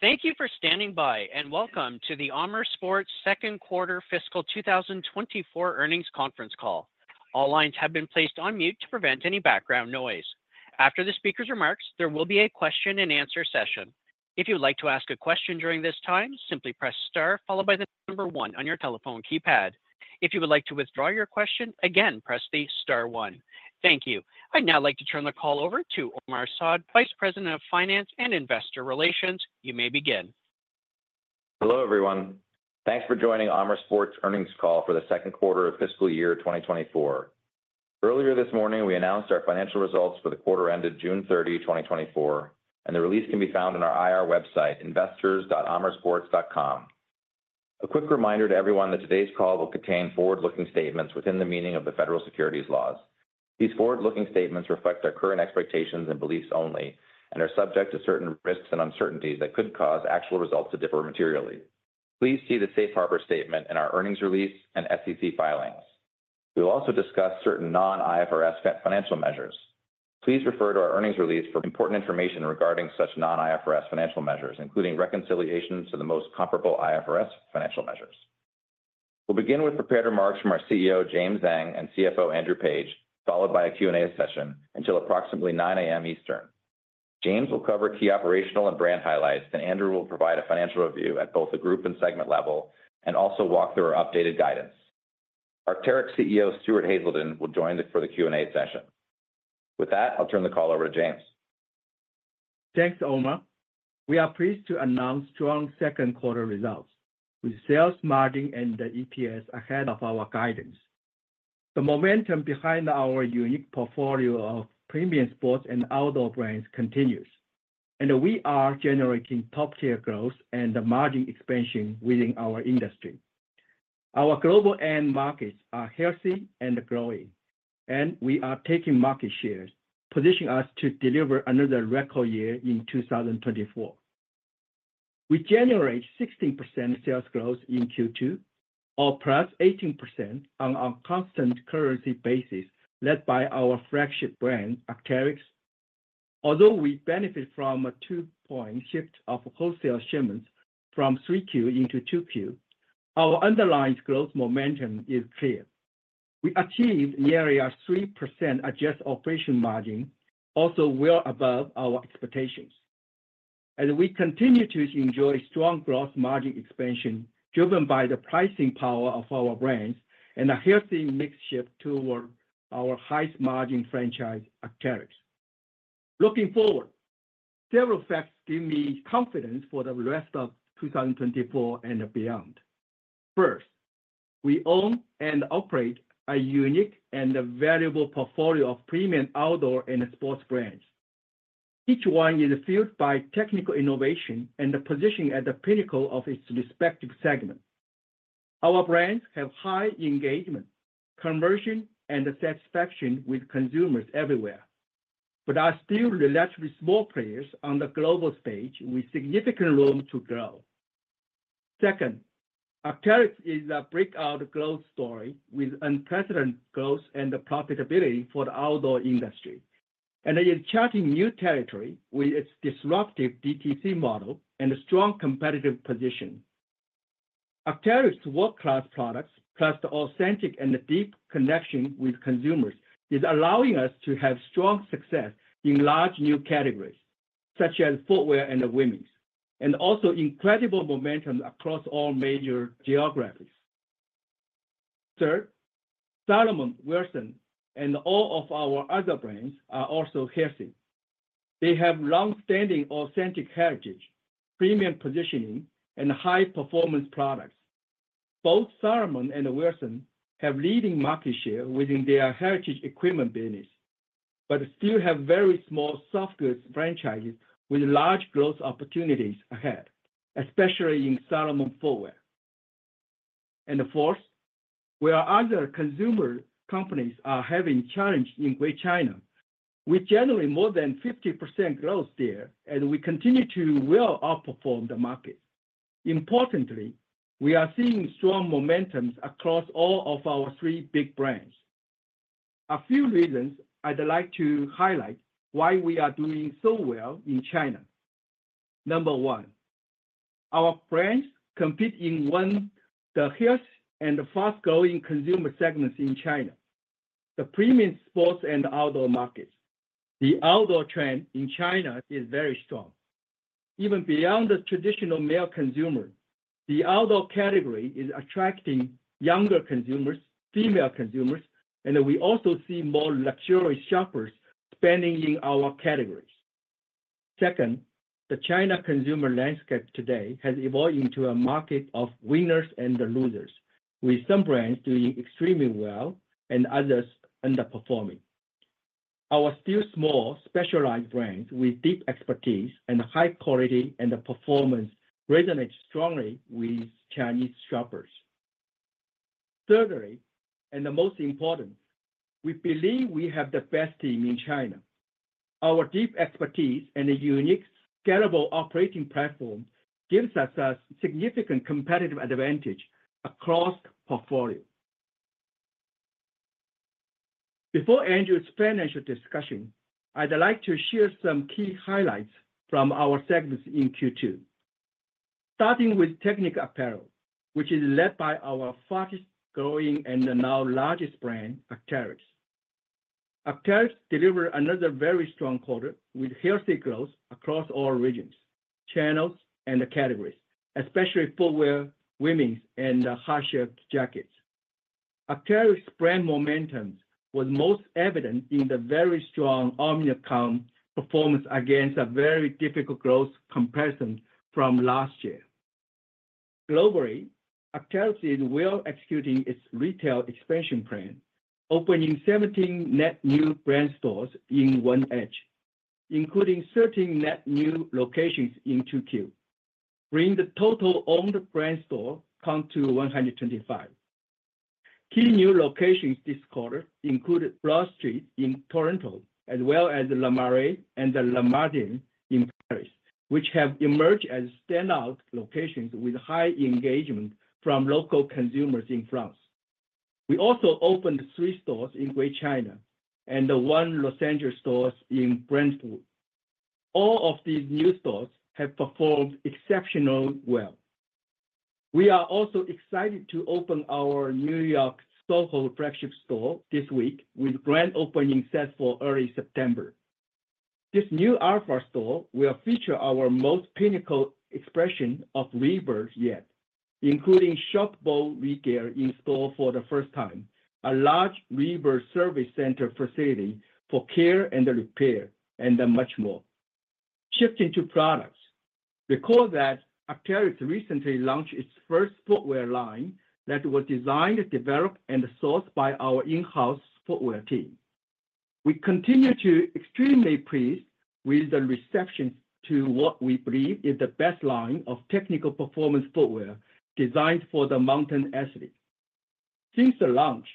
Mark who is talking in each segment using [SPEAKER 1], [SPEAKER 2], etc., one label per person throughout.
[SPEAKER 1] Thank you for standing by, and welcome to the Amer Sports second quarter fiscal 2024 earnings conference call. All lines have been placed on mute to prevent any background noise. After the speaker's remarks, there will be a question and answer session. If you would like to ask a question during this time, simply press star followed by the number one on your telephone keypad. If you would like to withdraw your question, again, press the star one. Thank you. I'd now like to turn the call over to Omar Saad, Vice President of Finance and Investor Relations. You may begin.
[SPEAKER 2] Hello, everyone. Thanks for joining Amer Sports earnings call for the second quarter of fiscal year 2024. Earlier this morning, we announced our financial results for the quarter ended June 30, 2024, and the release can be found on our IR website, investors.amersports.com. A quick reminder to everyone that today's call will contain forward-looking statements within the meaning of the federal securities laws. These forward-looking statements reflect our current expectations and beliefs only and are subject to certain risks and uncertainties that could cause actual results to differ materially. Please see the safe harbor statement in our earnings release and SEC filings. We will also discuss certain non-IFRS financial measures. Please refer to our earnings release for important information regarding such non-IFRS financial measures, including reconciliations to the most comparable IFRS financial measures. We'll begin with prepared remarks from our CEO, James Zheng, and CFO, Andrew Page, followed by a Q&A session until approximately 9:00 A.M. Eastern. James will cover key operational and brand highlights, and Andrew will provide a financial review at both the group and segment level and also walk through our updated guidance. Arc'teryx CEO, Stuart Haselden, will join us for the Q&A session. With that, I'll turn the call over to James.
[SPEAKER 3] Thanks, Omar. We are pleased to announce strong second quarter results, with sales, margin, and the EPS ahead of our guidance. The momentum behind our unique portfolio of premium sports and outdoor brands continues, and we are generating top-tier growth and the margin expansion within our industry. Our global end markets are healthy and growing, and we are taking market shares, positioning us to deliver another record year in two thousand and twenty-four. We generate 16% sales growth in Q2, or +18% on a constant currency basis, led by our flagship brand, Arc'teryx. Although we benefit from a two-point shift of wholesale shipments from Q3 into Q2, our underlying growth momentum is clear. We achieved nearly a 3% adjusted operating margin, also well above our expectations. As we continue to enjoy strong growth margin expansion, driven by the pricing power of our brands and a healthy mix shift toward our highest margin franchise, Arc'teryx. Looking forward, several facts give me confidence for the rest of 2024 and beyond. First, we own and operate a unique and a valuable portfolio of premium outdoor and sports brands. Each one is fueled by technical innovation and positioned at the pinnacle of its respective segment. Our brands have high engagement, conversion, and satisfaction with consumers everywhere, but are still relatively small players on the global stage, with significant room to grow. Second, Arc'teryx is a breakout growth story with unprecedented growth and profitability for the outdoor industry, and it is charting new territory with its disruptive DTC model and a strong competitive position. Arc'teryx world-class products, plus the authentic and deep connection with consumers, is allowing us to have strong success in large new categories, such as footwear and women's, and also incredible momentum across all major geographies. Third, Salomon, Wilson, and all of our other brands are also healthy. They have long-standing authentic heritage, premium positioning, and high-performance products. Both Salomon and Wilson have leading market share within their heritage equipment business, but still have very small soft goods franchises with large growth opportunities ahead, especially in Salomon footwear, and fourth, where other consumer companies are having challenges in Greater China, we generate more than 50% growth there, and we continue to well outperform the market. Importantly, we are seeing strong momentum across all of our three big brands. A few reasons I'd like to highlight why we are doing so well in China. Number one, our brands compete in one, the health and fast-growing consumer segments in China, the premium sports and outdoor markets. The outdoor trend in China is very strong. Even beyond the traditional male consumer, the outdoor category is attracting younger consumers, female consumers, and we also see more luxury shoppers spending in our categories. Second, the China consumer landscape today has evolved into a market of winners and losers, with some brands doing extremely well and others underperforming. Our still small specialized brands with deep expertise and high quality and performance resonate strongly with Chinese shoppers. Thirdly, and the most important, we believe we have the best team in China. Our deep expertise and a unique, scalable operating platform gives us a significant competitive advantage across portfolio. Before Andrew's financial discussion, I'd like to share some key highlights from our segments in Q2. Starting with Technical Apparel, which is led by our fastest-growing and now largest brand, Arc'teryx. Arc'teryx delivered another very strong quarter, with healthy growth across all regions, channels, and categories, especially footwear, women's, and hard-shell jackets. Arc'teryx brand momentum was most evident in the very strong omni-channel performance against a very difficult growth comparison from last year. Globally, Arc'teryx is well executing its retail expansion plan, opening 17 net new brand stores in H1, including 13 net new locations in Q2, bringing the total owned brand store count to 125. Key new locations this quarter included Bloor Street in Toronto, as well as Le Marais and the La Madeleine in Paris, which have emerged as standout locations with high engagement from local consumers in France. We also opened three stores in Greater China and one Los Angeles store in Brentwood. All of these new stores have performed exceptionally well. We are also excited to open our New York SoHo flagship store this week, with grand opening set for early September. This new alpha store will feature our most pinnacle expression of ReBIRD yet, including shoppable retail in-store for the first time, a large ReBIRD service center facility for care and repair, and much more. Shifting to products. Recall that Arc'teryx recently launched its first footwear line that was designed, developed, and sourced by our in-house footwear team. We continue to extremely pleased with the reception to what we believe is the best line of technical performance footwear designed for the mountain athlete. Since the launch,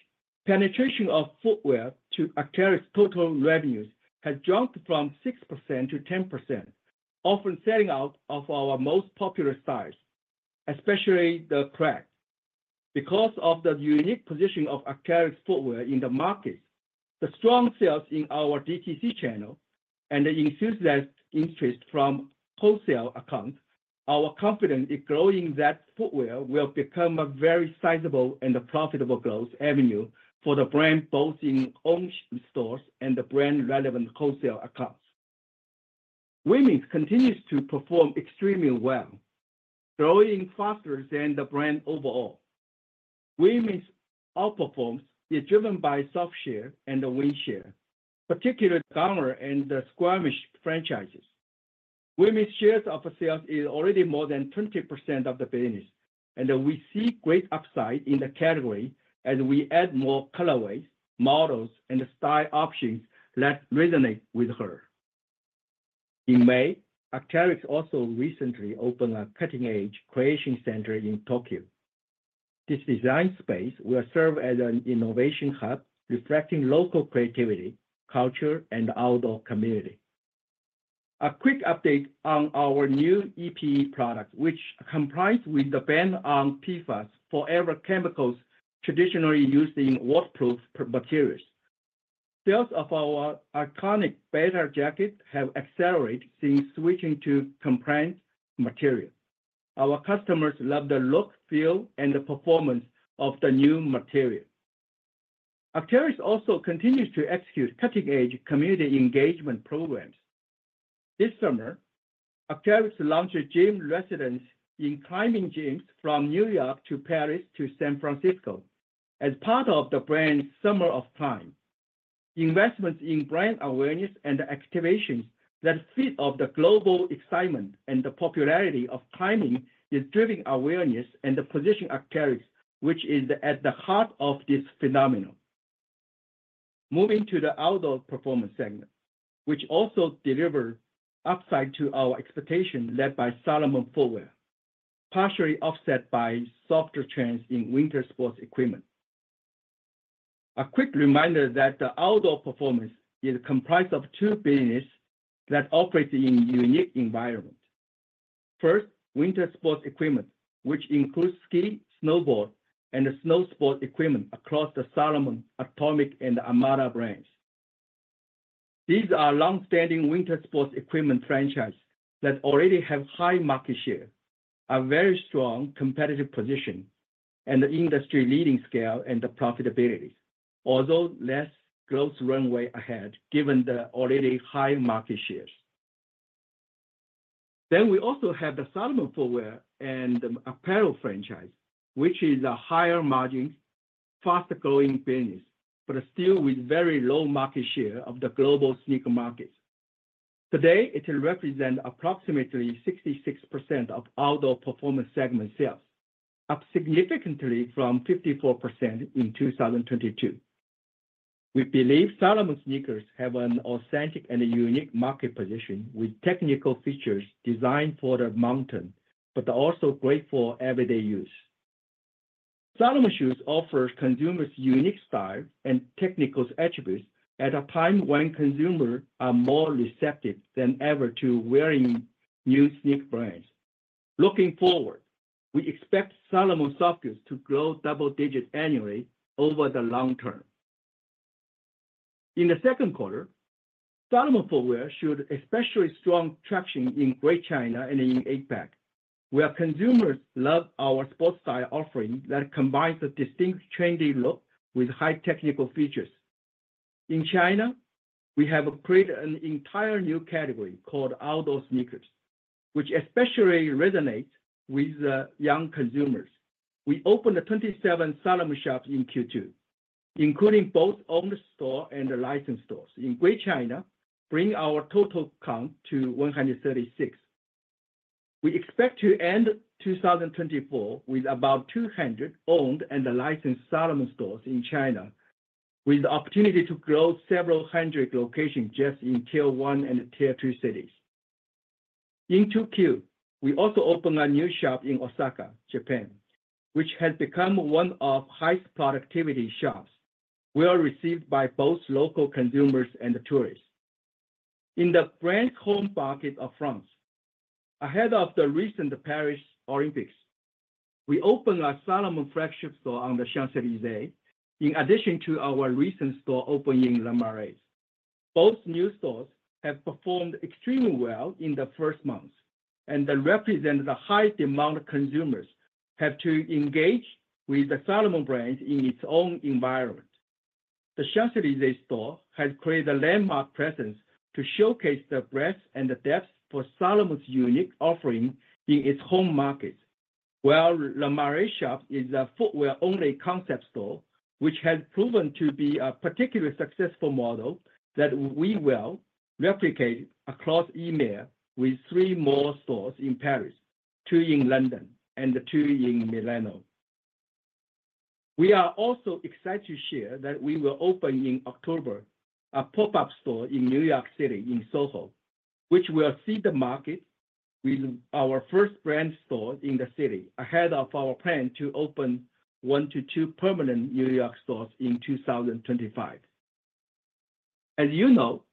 [SPEAKER 3] penetration of footwear to Arc'teryx total revenues has jumped from 6% to 10%, often selling out of our most popular styles, especially the Kragg. Because of the unique position of Arc'teryx footwear in the market, the strong sales in our DTC channel and the enthusiastic interest from wholesale accounts, our confidence is growing that footwear will become a very sizable and a profitable growth avenue for the brand, both in ownership stores and the brand-relevant wholesale accounts. Women's continues to perform extremely well, growing faster than the brand overall. Women's outperformance is driven by softshell and the windshell, particularly Gamma and the Squamish franchises. Women's share of sales is already more than 20% of the business, and we see great upside in the category as we add more colorways, models, and style options that resonate with her. In May, Arc'teryx also recently opened a cutting-edge creation center in Tokyo. This design space will serve as an innovation hub, reflecting local creativity, culture, and outdoor community. A quick update on our new ePE product, which complies with the ban on PFAS forever chemicals traditionally used in waterproof materials. Sales of our iconic Beta jacket have accelerated since switching to compliant material. Our customers love the look, feel, and the performance of the new material. Arc'teryx also continues to execute cutting-edge community engagement programs. This summer, Arc'teryx launched a gym residence in climbing gyms from New York to Paris to San Francisco as part of the brand's Summer of Climb. Investments in brand awareness and activations that feed off the global excitement and the popularity of climbing is driving awareness and the position Arc'teryx, which is at the heart of this phenomenon. Moving to the Outdoor Performance segment, which also delivered upside to our expectation, led by Salomon footwear, partially offset by softer trends in winter sports equipment. A quick reminder that the Outdoor Performance is comprised of two businesses that operate in unique environments. First, winter sports equipment, which includes ski, snowboard, and snow sport equipment across the Salomon, Atomic, and Armada brands. These are longstanding winter sports equipment franchises that already have high market share, a very strong competitive position, and industry-leading scale and profitability, although less growth runway ahead, given the already high market shares. Then we also have the Salomon footwear and apparel franchise, which is a higher margin, faster-growing business, but still with very low market share of the global sneaker market. Today, it represents approximately 66% of Outdoor Performance segment sales, up significantly from 54% in 2022. We believe Salomon sneakers have an authentic and unique market position, with technical features designed for the mountain, but also great for everyday use. Salomon shoes offer consumers unique style and technical attributes at a time when consumers are more receptive than ever to wearing new sneaker brands. Looking forward, we expect Salomon footwear to grow double digits annually over the long term. In the second quarter, Salomon footwear showed especially strong traction in Greater China and in APAC, where consumers love our sports style offering that combines a distinct trendy look with high technical features. In China, we have created an entire new category called outdoor sneakers, which especially resonates with the young consumers. We opened 27 Salomon shops in Q2, including both owned store and licensed stores in Greater China, bringing our total count to 136. We expect to end 2024 with about 200 owned and licensed Salomon stores in China, with the opportunity to grow several hundred locations just in Tier 1 and Tier 2 cities. In Q2, we also opened a new shop in Osaka, Japan, which has become one of the highest productivity shops. We are well received by both local consumers and the tourists. In the brand home market of France, ahead of the recent Paris Olympics, we opened a Salomon flagship store on the Champs-Élysées, in addition to our recent store opening in Le Marais. Both new stores have performed extremely well in the first months, and they represent the highest amount of ways consumers have to engage with the Salomon brand in its own environment. The Champs-Élysées store has created a landmark presence to showcase the breadth and the depth for Salomon's unique offering in its home market, while Le Marais shop is a footwear-only concept store, which has proven to be a particularly successful model that we will replicate across EMEA with three more stores in Paris, two in London, and two in Milan. We are also excited to share that we will open in October, a pop-up store in New York City, in SoHo, which will see the market with our first brand store in the city, ahead of our plan to open one to two permanent New York stores in 2025. As you know,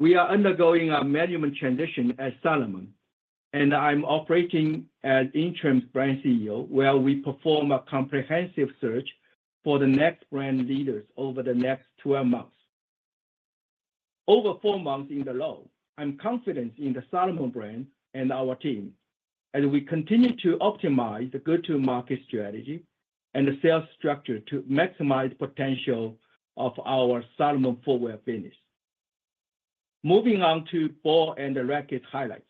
[SPEAKER 3] we are undergoing a management transition at Salomon, and I'm operating as interim brand CEO, while we perform a comprehensive search for the next brand leaders over the next twelve months. Over four months in the role, I'm confident in the Salomon brand and our team as we continue to optimize the go-to-market strategy and the sales structure to maximize potential of our Salomon footwear business. Moving on to Ball & Racquet highlights.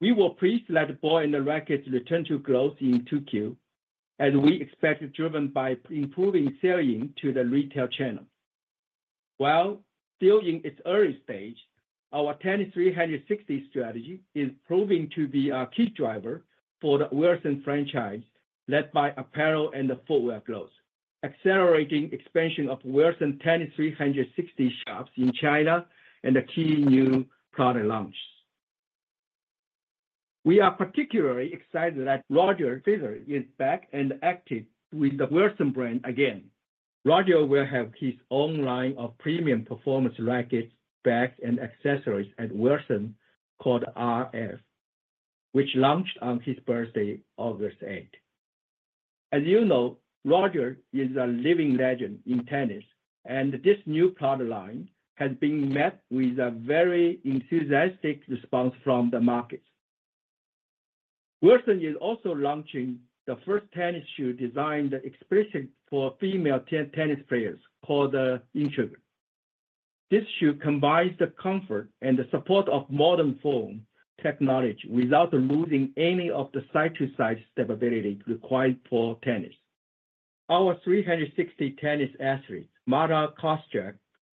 [SPEAKER 3] We were pleased that Ball & Racquet returned to growth in Q2, and we expect it driven by improving selling to the retail channel. While still in its early stage, our Tennis 360 strategy is proving to be a key driver for the Wilson franchise, led by apparel and the footwear growth, accelerating expansion of Wilson Tennis 360 shops in China and the key new product launch. We are particularly excited that Roger Federer is back and active with the Wilson brand again. Roger will have his own line of premium performance rackets, bags, and accessories at Wilson, called RF, which launched on his birthday, August 8th. As you know, Roger is a living legend in tennis, and this new product line has been met with a very enthusiastic response from the market. Wilson is also launching the first tennis shoe designed explicitly for female tennis players, called the Intrigue. This shoe combines the comfort and the support of modern foam technology without losing any of the side-to-side stability required for tennis. Our 360 tennis athletes, Marta Kostyuk,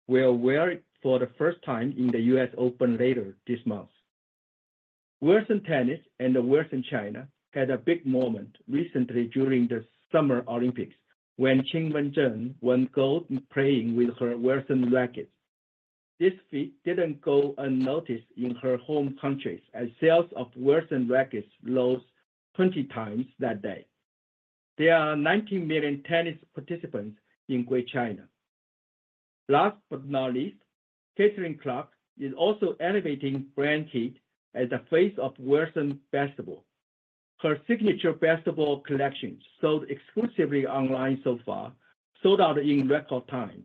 [SPEAKER 3] will wear it for the first time in the US Open later this month. Wilson Tennis and Wilson China had a big moment recently during the Summer Olympics, when Qinwen Zheng won gold playing with her Wilson racket. This feat didn't go unnoticed in her home country, as sales of Wilson rackets rose 20 times that day. There are 90 million tennis participants in Greater China. Last but not least, Caitlin Clark is also elevating brand heat as the face of Wilson basketball. Her signature basketball collection, sold exclusively online so far, sold out in record time,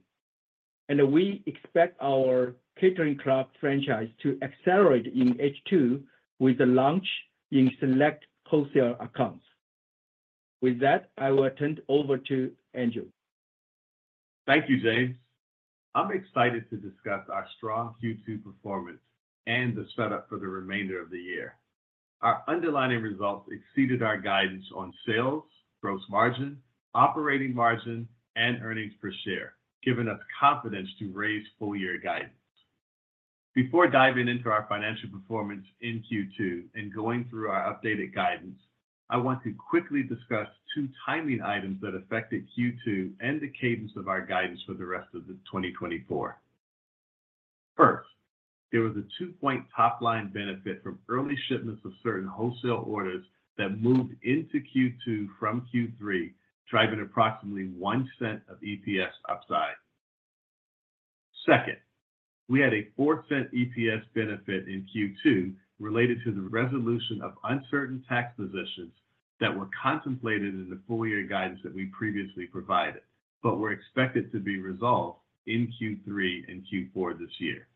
[SPEAKER 3] and we expect our Caitlin Clark franchise to accelerate in H2 with the launch in select wholesale accounts. With that, I will turn it over to Andrew.
[SPEAKER 4] Thank you, James. I'm excited to discuss our strong Q2 performance and the setup for the remainder of the year. Our underlying results exceeded our guidance on sales, gross margin, operating margin, and earnings per share, giving us confidence to raise full-year guidance. Before diving into our financial performance in Q2 and going through our updated guidance, I want to quickly discuss two timing items that affected Q2 and the cadence of our guidance for the rest of 2024. First, there was a two-point top-line benefit from early shipments of certain wholesale orders that moved into Q2 from Q3, driving approximately $0.01 of EPS upside. Second, we had a $0.04 EPS benefit in Q2 related to the resolution of uncertain tax positions that were contemplated in the full-year guidance that we previously provided, but were expected to be resolved in Q3 and Q4 this year.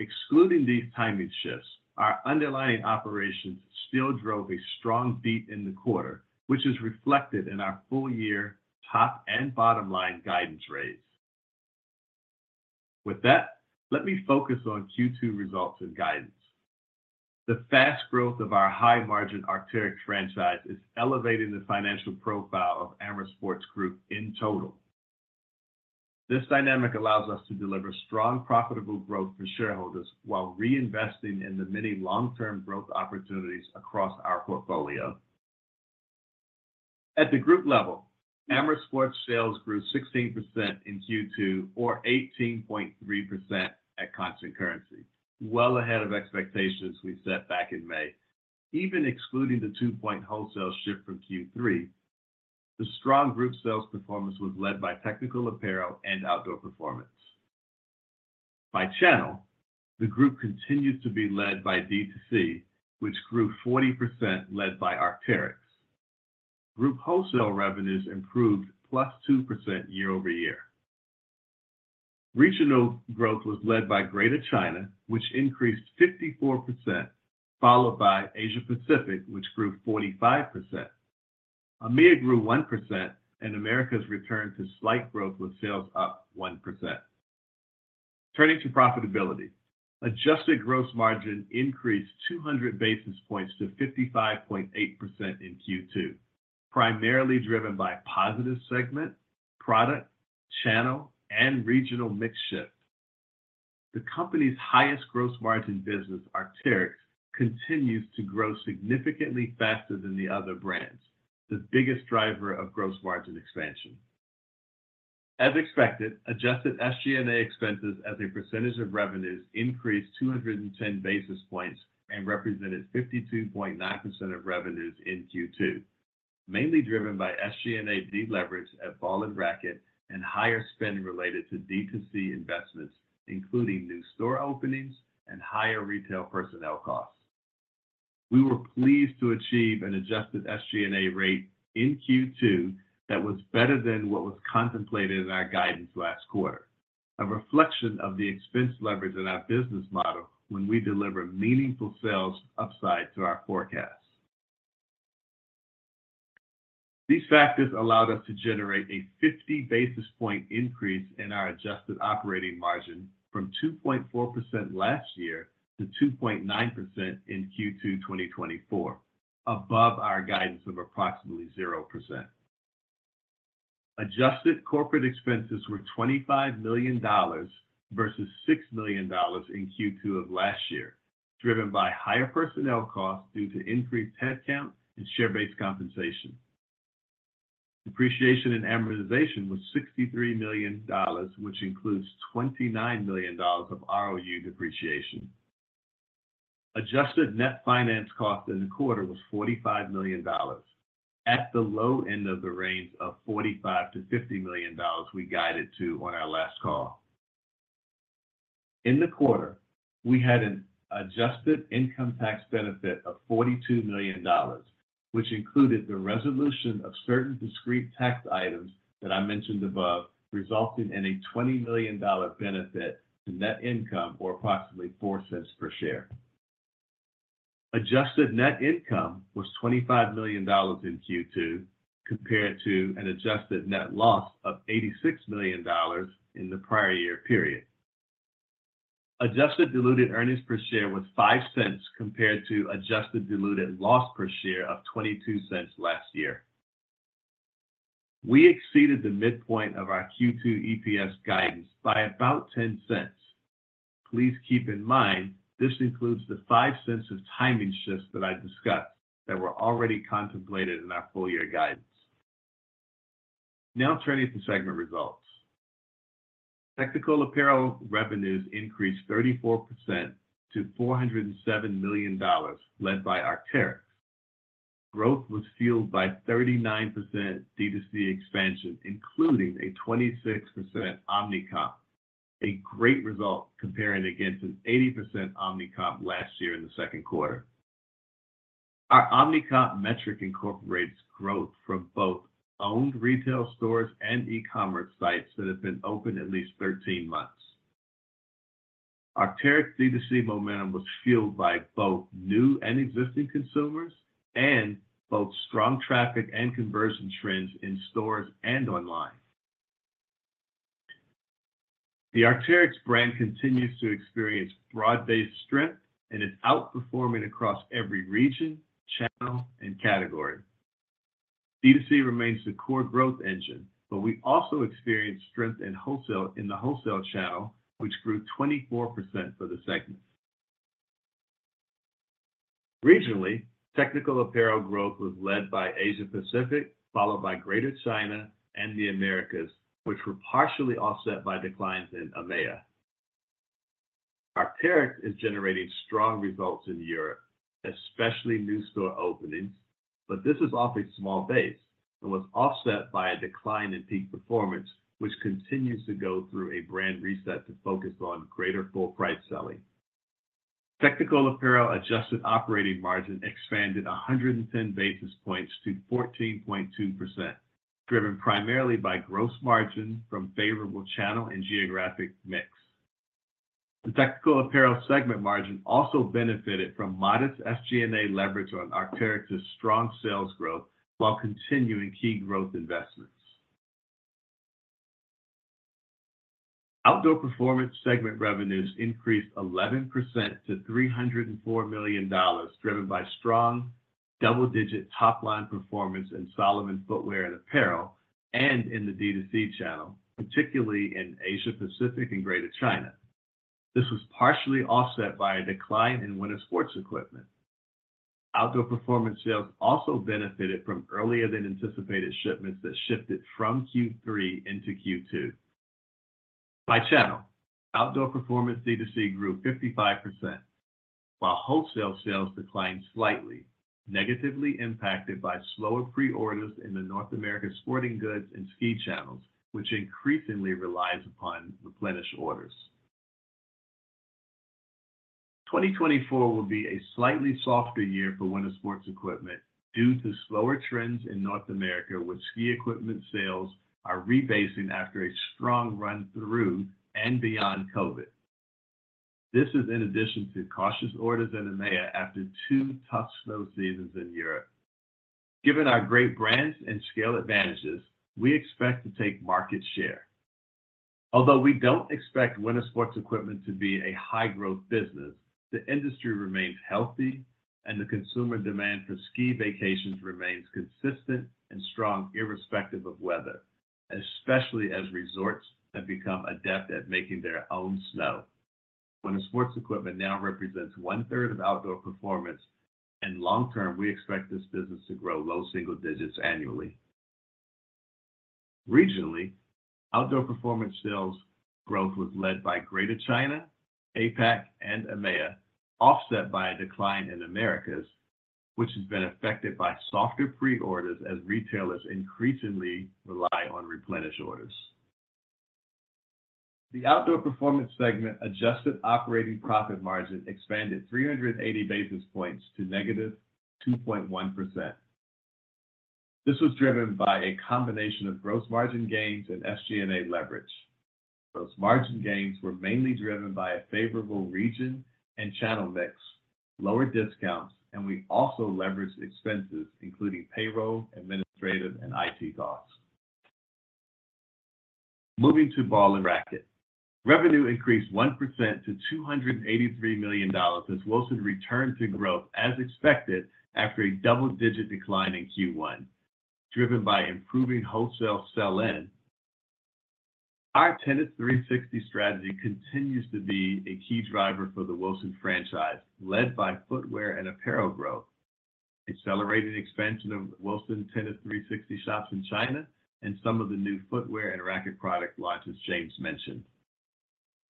[SPEAKER 4] Excluding these timing shifts, our underlying operations still drove a strong beat in the quarter, which is reflected in our full year top and bottom line guidance rates. With that, let me focus on Q2 results and guidance. The fast growth of our high-margin Arc'teryx franchise is elevating the financial profile of Amer Sports Group in total. This dynamic allows us to deliver strong, profitable growth for shareholders while reinvesting in the many long-term growth opportunities across our portfolio. At the group level, Amer Sports sales grew 16% in Q2, or 18.3% at constant currency, well ahead of expectations we set back in May. Even excluding the two-point wholesale shift from Q3, the strong group sales performance was led by Technical Apparel and Outdoor Performance. By channel, the group continues to be led by D2C, which grew 40%, led by Arc'teryx. Group wholesale revenues improved +2% year-over-year. Regional growth was led by Greater China, which increased 54%, followed by Asia Pacific, which grew 45%. EMEA grew 1%, and Americas returned to slight growth, with sales up 1%. Turning to profitability. Adjusted gross margin increased 200 basis points to 55.8% in Q2, primarily driven by positive segment, product, channel, and regional mix shift. The company's highest gross margin business, Arc'teryx, continues to grow significantly faster than the other brands, the biggest driver of gross margin expansion. As expected, adjusted SG&A expenses as a percentage of revenues increased 210 basis points and represented 52.9% of revenues in Q2, mainly driven by SG&A deleverage at Ball & Racquet, and higher spending related to D2C investments, including new store openings and higher retail personnel costs. We were pleased to achieve an adjusted SG&A rate in Q2 that was better than what was contemplated in our guidance last quarter, a reflection of the expense leverage in our business model when we deliver meaningful sales upside to our forecast. These factors allowed us to generate a 50 basis point increase in our adjusted operating margin from 2.4% last year to 2.9% in Q2 2024, above our guidance of approximately 0%. Adjusted corporate expenses were $25 million versus $6 million in Q2 of last year, driven by higher personnel costs due to increased headcount and share-based compensation. Depreciation and amortization was $63 million, which includes $29 million of ROU depreciation. Adjusted net finance cost in the quarter was $45 million, at the low end of the range of $45 million-$50 million we guided to on our last call. In the quarter, we had an adjusted income tax benefit of $42 million, which included the resolution of certain discrete tax items that I mentioned above, resulting in a $20 million benefit to net income or approximately $0.04 per share. Adjusted net income was $25 million in Q2, compared to an adjusted net loss of $86 million in the prior year period. Adjusted diluted earnings per share was $0.05, compared to adjusted diluted loss per share of $0.22 last year. We exceeded the midpoint of our Q2 EPS guidance by about $0.10. Please keep in mind, this includes the $0.05 of timing shifts that I discussed that were already contemplated in our full year guidance. Now turning to segment results. Technical Apparel revenues increased 34% to $407 million, led by Arc'teryx. Growth was fueled by 39% D2C expansion, including a 26% Omni-comp, a great result comparing against an 80% Omni-comp last year in the second quarter. Our Omni-comp metric incorporates growth from both owned retail stores and e-commerce sites that have been open at least 13 months. Arc'teryx D2C momentum was fueled by both new and existing consumers, and both strong traffic and conversion trends in stores and online. The Arc'teryx brand continues to experience broad-based strength and is outperforming across every region, channel, and category. D2C remains the core growth engine, but we also experienced strength in wholesale, in the wholesale channel, which grew 24% for the segment. Regionally, Technical Apparel growth was led by Asia Pacific, followed by Greater China and the Americas, which were partially offset by declines in EMEA. Arc'teryx is generating strong results in Europe, especially new store openings, but this is off a small base and was offset by a decline in Peak Performance, which continues to go through a brand reset to focus on greater full-price selling. Technical Apparel adjusted operating margin expanded 110 basis points to 14.2%, driven primarily by gross margin from favorable channel and geographic mix. The Technical Apparel segment margin also benefited from modest SG&A leverage on Arc'teryx's strong sales growth while continuing key growth investments. Outdoor Performance segment revenues increased 11% to $304 million, driven by strong double-digit top-line performance in Salomon footwear and apparel, and in the D2C channel, particularly in Asia, Pacific, and Greater China. This was partially offset by a decline in winter sports equipment. Outdoor Performance sales also benefited from earlier than anticipated shipments that shifted from Q3 into Q2. By channel, Outdoor Performance D2C grew 55%, while wholesale sales declined slightly, negatively impacted by slower pre-orders in the North American sporting goods and ski channels, which increasingly relies upon replenish orders. 2024 will be a slightly softer year for winter sports equipment due to slower trends in North America, with ski equipment sales are rebasing after a strong run through and beyond COVID. This is in addition to cautious orders in EMEA after two tough snow seasons in Europe. Given our great brands and scale advantages, we expect to take market share. Although we don't expect winter sports equipment to be a high-growth business, the industry remains healthy, and the consumer demand for ski vacations remains consistent and strong, irrespective of weather, especially as resorts have become adept at making their own snow. Winter sports equipment now represents one-third of Outdoor Performance, and long term, we expect this business to grow low single digits annually. Regionally, Outdoor Performance sales growth was led by Greater China, APAC, and EMEA, offset by a decline in Americas, which has been affected by softer pre-orders as retailers increasingly rely on replenish orders. The Outdoor Performance segment adjusted operating profit margin expanded 380 basis points to -2.1%. This was driven by a combination of gross margin gains and SG&A leverage. Those margin gains were mainly driven by a favorable region and channel mix, lower discounts, and we also leveraged expenses, including payroll, administrative, and IT costs. Moving to Ball & Racquet, revenue increased 1% to $283 million as Wilson returned to growth as expected after a double-digit decline in Q1, driven by improving wholesale sell-in. Our Tennis 360 strategy continues to be a key driver for the Wilson franchise, led by footwear and apparel growth, accelerating expansion of Wilson Tennis 360 shops in China, and some of the new footwear and racket product launches James mentioned.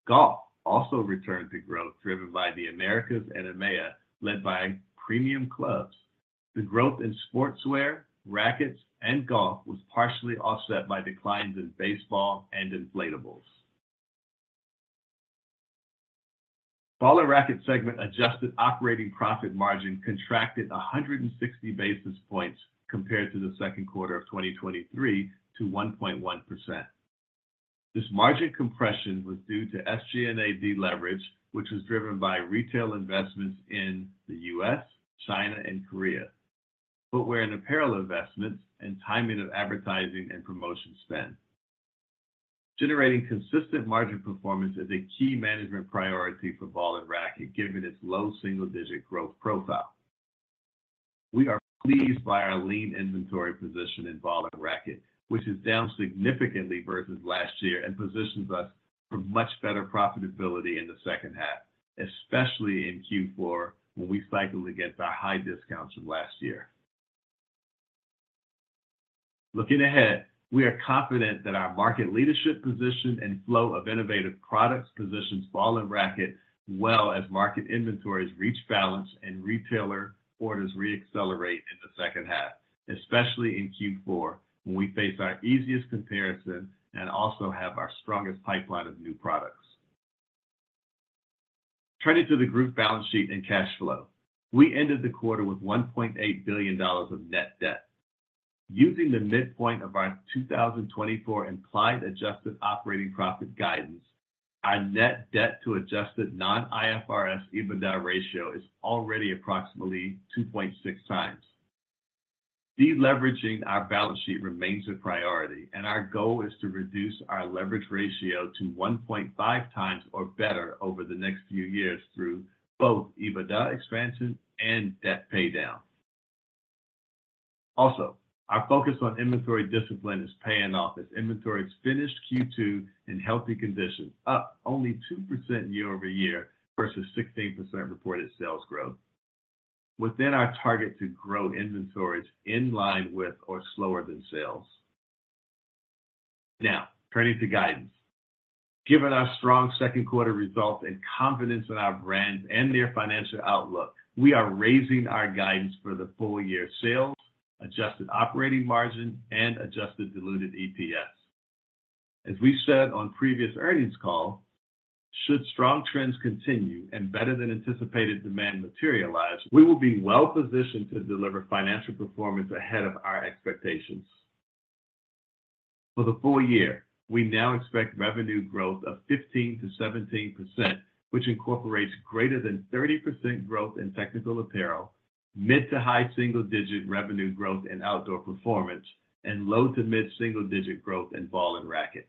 [SPEAKER 4] Golf also returned to growth, driven by the Americas and EMEA, led by premium clubs. The growth in sportswear, rackets, and golf was partially offset by declines in baseball and inflatables. Ball & Racquet segment adjusted operating profit margin contracted 160 basis points compared to the second quarter of 2023 to 1.1%. This margin compression was due to SG&A deleverage, which was driven by retail investments in the U.S., China, and Korea, footwear and apparel investments, and timing of advertising and promotion spend. Generating consistent margin performance is a key management priority for Ball & Racquet, given its low single-digit growth profile. We are pleased by our lean inventory position in Ball & Racquet, which is down significantly versus last year and positions us for much better profitability in the second half, especially in Q4, when we cycle against our high discounts of last year. Looking ahead, we are confident that our market leadership position and flow of innovative products positions Ball & Racquet well as market inventories reach balance and retailer orders re-accelerate in the second half, especially in Q4, when we face our easiest comparison and also have our strongest pipeline of new products. Turning to the group balance sheet and cash flow, we ended the quarter with $1.8 billion of net debt. Using the midpoint of our 2024 implied adjusted operating profit guidance, our net debt to adjusted non-IFRS EBITDA ratio is already approximately 2.6x. Deleveraging our balance sheet remains a priority, and our goal is to reduce our leverage ratio to 1.5x or better over the next few years through both EBITDA expansion and debt paydown. Also, our focus on inventory discipline is paying off, as inventory finished Q2 in healthy conditions, up only 2% year-over-year versus 16% reported sales growth, within our target to grow inventories in line with or slower than sales. Now, turning to guidance. Given our strong second quarter results and confidence in our brands and their financial outlook, we are raising our guidance for the full-year sales, adjusted operating margin, and adjusted diluted EPS. As we said on previous earnings call, should strong trends continue and better than anticipated demand materialize, we will be well positioned to deliver financial performance ahead of our expectations. For the full year, we now expect revenue growth of 15%-17%, which incorporates greater than 30% growth in Technical Apparel, mid to high single-digit revenue growth in Outdoor Performance, and low to mid-single-digit growth in Ball & Racquet.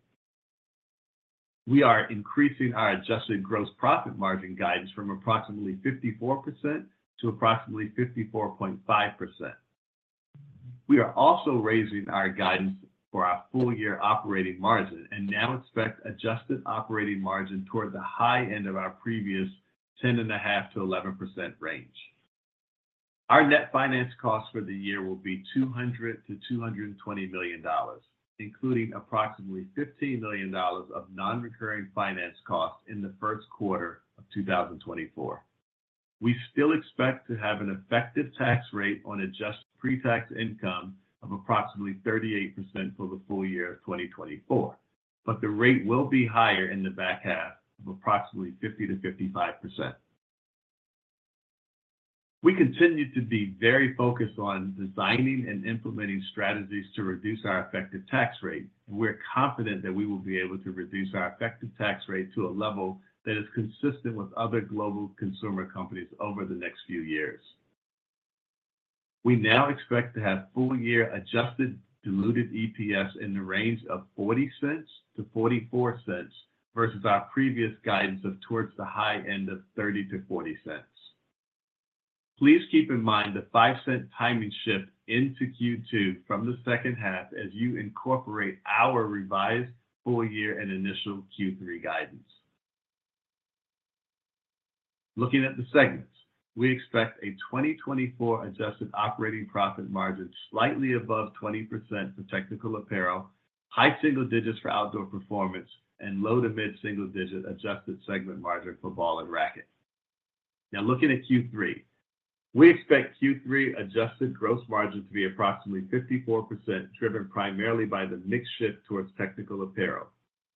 [SPEAKER 4] We are increasing our adjusted gross profit margin guidance from approximately 54% to approximately 54.5%. We are also raising our guidance for our full-year operating margin and now expect adjusted operating margin toward the high end of our previous 10.5%-11% range. Our net finance cost for the year will be $200 million-$220 million, including approximately $15 million of non-recurring finance costs in the first quarter of 2024. We still expect to have an effective tax rate on adjusted pre-tax income of approximately 38% for the full year of 2024, but the rate will be higher in the back half of approximately 50%-55%. We continue to be very focused on designing and implementing strategies to reduce our effective tax rate. We're confident that we will be able to reduce our effective tax rate to a level that is consistent with other global consumer companies over the next few years. We now expect to have full-year adjusted diluted EPS in the range of $0.40-$0.44 versus our previous guidance of towards the high end of $0.30-$0.40. Please keep in mind the $0.05 timing shift into Q2 from the second half as you incorporate our revised full year and initial Q3 guidance. Looking at the segments, we expect a 2024 adjusted operating profit margin slightly above 20% for Technical Apparel, high single digits for Outdoor Performance, and low to mid-single-digit adjusted segment margin for Ball & Racquet. Now, looking at Q3, we expect Q3 adjusted gross margin to be approximately 54%, driven primarily by the mix shift towards Technical Apparel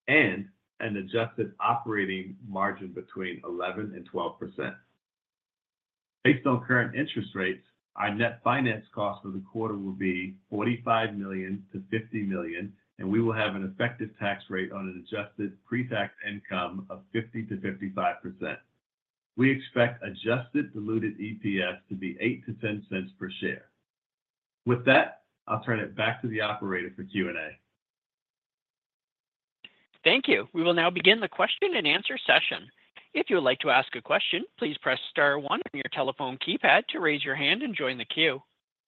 [SPEAKER 4] and an adjusted operating margin between 11% and 12%. Based on current interest rates, our net finance cost for the quarter will be $45 million-$50 million, and we will have an effective tax rate on an adjusted pre-tax income of 50%-55%. We expect adjusted diluted EPS to be $0.08-$0.10 per share. With that, I'll turn it back to the operator for Q&A.
[SPEAKER 1] Thank you. We will now begin the question and answer session. If you would like to ask a question, please press star one on your telephone keypad to raise your hand and join the queue.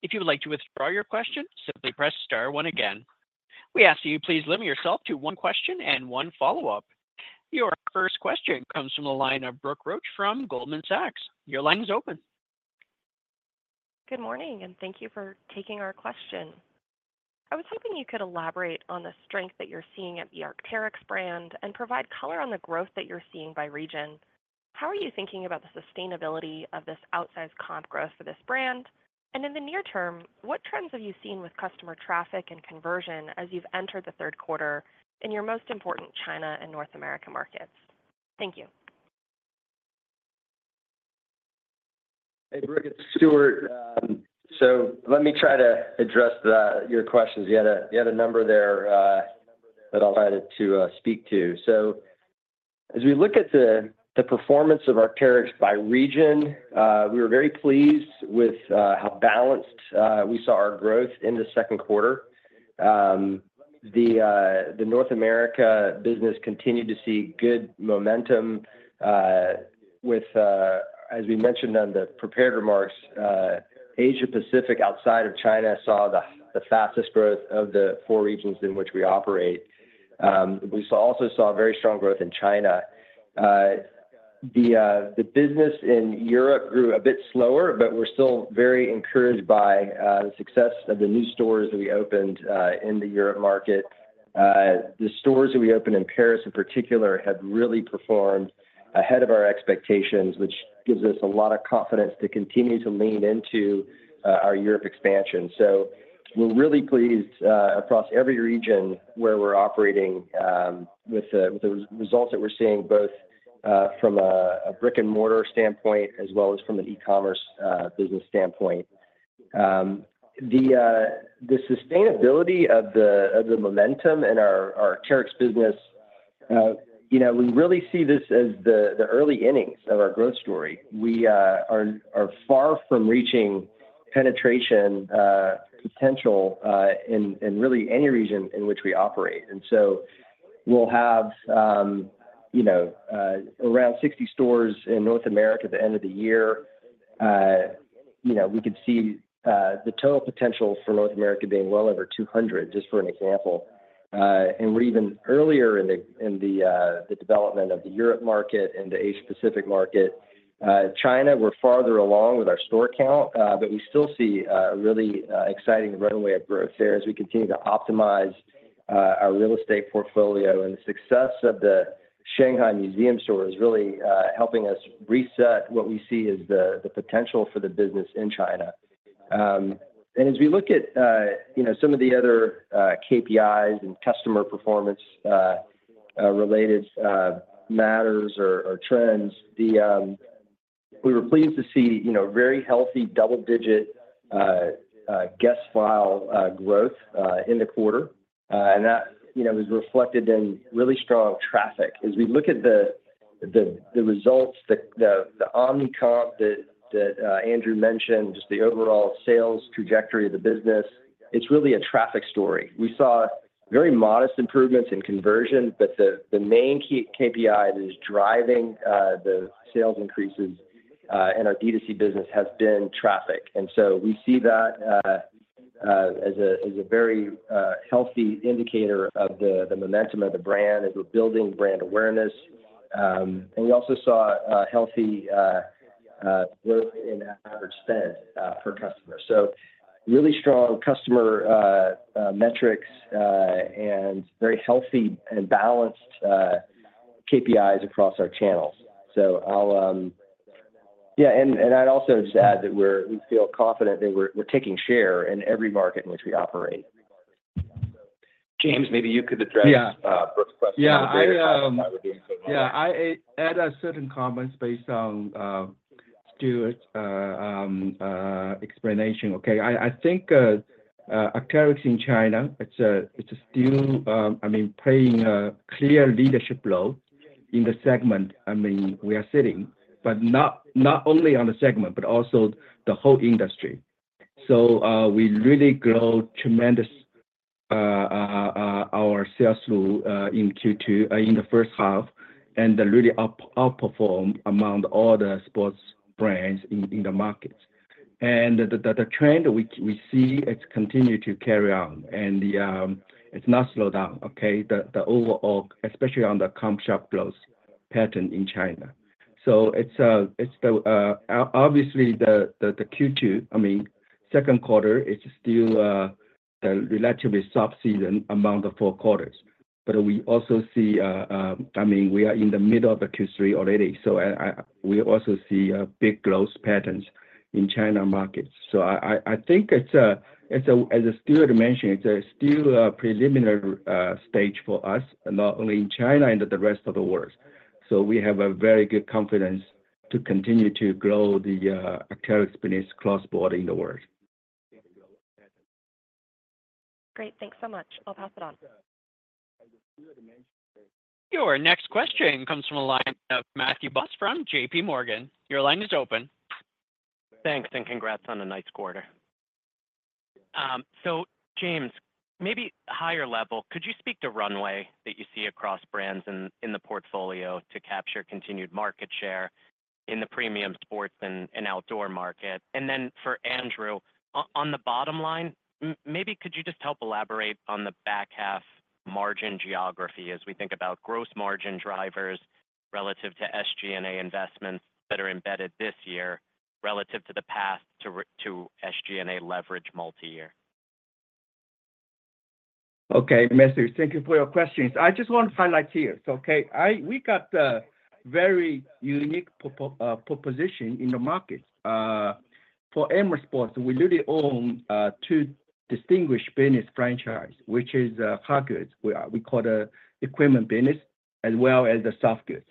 [SPEAKER 1] If you would like to withdraw your question, simply press star one again. We ask that you please limit yourself to one question and one follow-up. Your first question comes from the line of Brooke Roach from Goldman Sachs. Your line is open.
[SPEAKER 5] Good morning, and thank you for taking our question. I was hoping you could elaborate on the strength that you're seeing at the Arc'teryx brand and provide color on the growth that you're seeing by region. How are you thinking about the sustainability of this outsized comp growth for this brand? And in the near term, what trends have you seen with customer traffic and conversion as you've entered the third quarter in your most important China and North America markets? Thank you.
[SPEAKER 6] Hey, Brooke, it's Stuart. So let me try to address the your questions. You had a number there that I'll try to speak to. So as we look at the performance of Arc'teryx by region, we were very pleased with how balanced we saw our growth in the second quarter. The North America business continued to see good momentum. As we mentioned on the prepared remarks, Asia Pacific, outside of China, saw the fastest growth of the four regions in which we operate. We also saw very strong growth in China. The business in Europe grew a bit slower, but we're still very encouraged by the success of the new stores that we opened in the Europe market. The stores that we opened in Paris, in particular, have really performed ahead of our expectations, which gives us a lot of confidence to continue to lean into our Europe expansion, so we're really pleased across every region where we're operating with the results that we're seeing, both from a brick-and-mortar standpoint as well as from an e-commerce business standpoint. The sustainability of the momentum in our Arc'teryx business, you know, we really see this as the early innings of our growth story. We are far from reaching penetration potential in really any region in which we operate, and so we'll have, you know, around 60 stores in North America at the end of the year. You know, we could see the total potential for North America being well over 200, just for an example. And we're even earlier in the development of the Europe market and the Asia Pacific market. China, we're farther along with our store count, but we still see really exciting runway of growth there as we continue to optimize our real estate portfolio. And the success of the Shanghai Museum store is really helping us reset what we see as the potential for the business in China. And as we look at, you know, some of the other KPIs and customer performance related matters or trends, we were pleased to see, you know, very healthy double-digit guest file growth in the quarter. And that, you know, was reflected in really strong traffic. As we look at the results, the omni-comp that Andrew mentioned, just the overall sales trajectory of the business, it's really a traffic story. We saw very modest improvements in conversion, but the main key KPI that is driving the sales increases in our D2C business has been traffic. And so we see that as a very healthy indicator of the momentum of the brand, as we're building brand awareness. And we also saw a healthy growth in average spend per customer. So really strong customer metrics and very healthy and balanced KPIs across our channels. Yeah, and I'd also just add that we feel confident that we're taking share in every market in which we operate.
[SPEAKER 4] James, maybe you could address-
[SPEAKER 3] Yeah.
[SPEAKER 4] Brooke's question?
[SPEAKER 3] Yeah.
[SPEAKER 4] Why we're doing so well.
[SPEAKER 3] Yeah, I add a certain comments based on Stuart explanation. Okay. I think Arc'teryx in China, it's still, I mean, playing a clear leadership role in the segment, I mean, we are sitting, but not only on the segment, but also the whole industry. So, we really grow tremendous our sales through in Q2 in the first half, and really outperform among all the sports brands in the market. And the trend we see, it continue to carry on, and it's not slowed down, okay? The overall, especially on the comp shop growth pattern in China. So it's the obviously, the Q2, I mean, second quarter, is still the relatively soft season among the four quarters. But we also see, I mean, we are in the middle of the Q3 already, so we also see a big growth patterns in China markets. So I think it's, as Stuart mentioned, it's still a preliminary stage for us, not only in China, and the rest of the world. So we have a very good confidence to continue to grow the Arc'teryx business cross-border in the world.
[SPEAKER 5] Great. Thanks so much. I'll pass it on.
[SPEAKER 1] Your next question comes from the line of Matthew Boss from JP Morgan. Your line is open.
[SPEAKER 7] Thanks, and congrats on a nice quarter. So James, maybe higher level, could you speak to runway that you see across brands in the portfolio to capture continued market share in the premium sports and outdoor market? And then for Andrew, on the bottom line, maybe could you just help elaborate on the back half margin geography as we think about gross margin drivers relative to SG&A investments that are embedded this year relative to the past, to SG&A leverage multi-year?
[SPEAKER 3] Okay, Matthew, thank you for your questions. I just want to highlight here. We got a very unique proposition in the market. For Amer Sports, we really own two distinguished business franchise, which is hard goods, we call the equipment business, as well as the soft goods.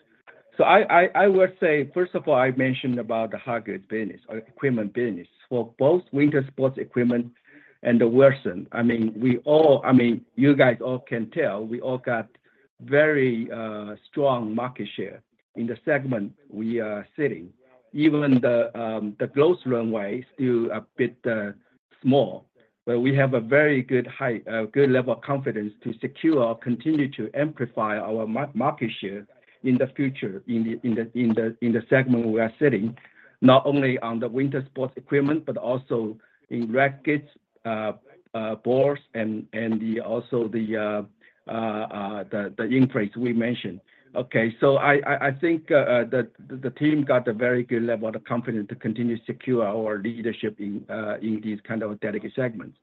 [SPEAKER 3] I would say, first of all, I mentioned about the hard goods business or equipment business. For both winter sports equipment and the Wilson, I mean, we all I mean, you guys all can tell, we all got very strong market share in the segment we are sitting. Even the growth runway is still a bit small, but we have a very good high good level of confidence to secure or continue to amplify our market share in the future, in the segment we are sitting, not only on the winter sports equipment, but also in rackets, boards, and also the increase we mentioned. Okay, so I think the team got a very good level of confidence to continue to secure our leadership in these kind of dedicated segments.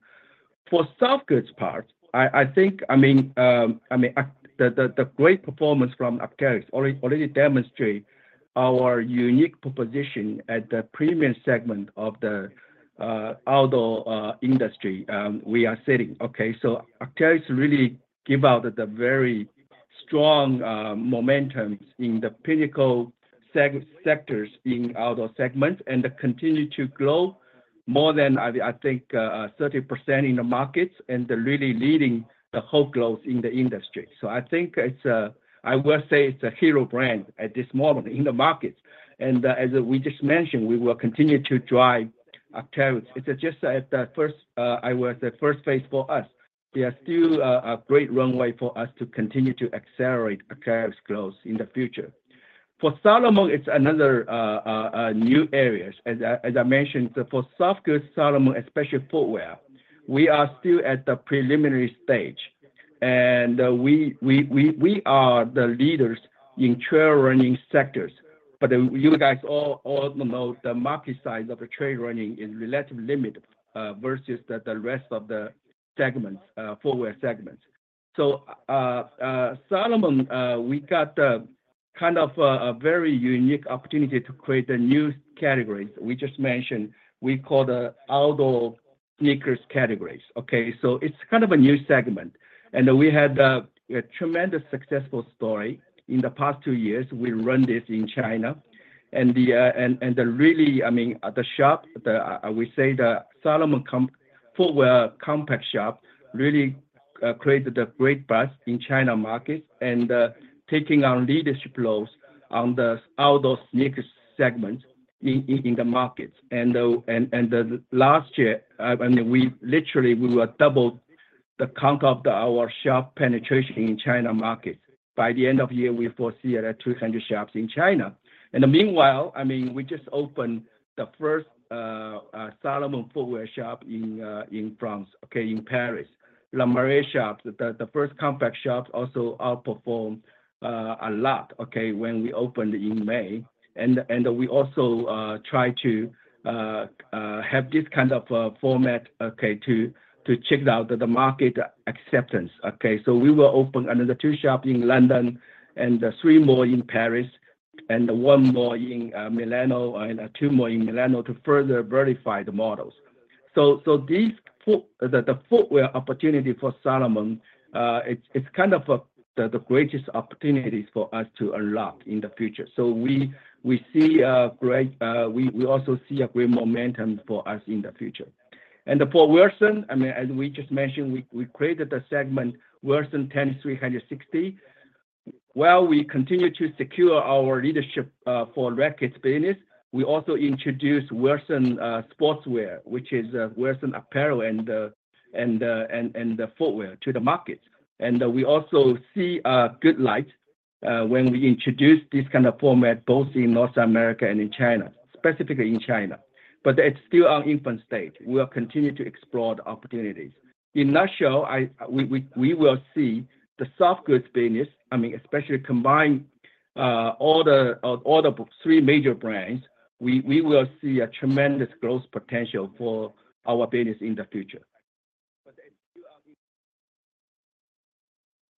[SPEAKER 3] For soft goods part, I think, I mean, I mean the great performance from Arc'teryx already demonstrate our unique proposition at the premium segment of the outdoor industry, we are sitting. Okay, so Arc'teryx really give out the very strong momentum in the pinnacle sectors in outdoor segment, and continue to grow more than I think 30% in the markets, and they're really leading the whole growth in the industry. So I think it's I will say it's a hero brand at this moment in the market. And as we just mentioned, we will continue to drive Arc'teryx. It's just at the first I would say first phase for us. There are still a great runway for us to continue to accelerate Arc'teryx growth in the future. For Salomon, it's another new areas. As I mentioned, for soft goods, Salomon, especially footwear, we are still at the preliminary stage, and we are the leaders in trail running sectors. But you guys all know the market size of trail running is relatively limited versus the rest of the segments, footwear segments. So Salomon, we got a kind of a very unique opportunity to create a new category. We just mentioned, we call the outdoor sneakers categories, okay? So it's kind of a new segment, and we had a tremendous successful story. In the past two years, we run this in China, and really, I mean, the shop we say the Salomon compact footwear shop really created a great buzz in China market and taking on leadership roles on the outdoor sneakers segment in the markets. The last year, I mean, we literally, we were doubled the count of the, our shop penetration in China market. By the end of the year, we foresee it at 200 shops in China. In the meanwhile, I mean, we just opened the first Salomon footwear shop in France, okay, in Paris. Le Marais shop, the first compact shop also outperformed a lot, okay, when we opened in May. We also try to have this kind of a format, okay, to check out the market acceptance, okay. We will open another two shops in London and three more in Paris, and one more in Milan, and two more in Milan to further verify the models. These footwear opportunities for Salomon, the footwear opportunity for Salomon, it's kind of the greatest opportunities for us to unlock in the future. We see a great, we also see a great momentum for us in the future. For Wilson, I mean, as we just mentioned, we created a segment, Wilson Tennis 360. While we continue to secure our leadership for rackets business, we also introduce Wilson sportswear, which is Wilson apparel and footwear to the market. We also see a good light when we introduce this kind of format, both in North America and in China, specifically in China, but it's still in infant stage. We will continue to explore the opportunities. In a nutshell, we will see the soft goods business. I mean, especially combined, all the three major brands. We will see a tremendous growth potential for our business in the future.